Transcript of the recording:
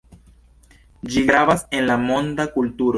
Ĝi gravas en la monda kulturo.